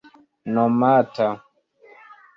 nomata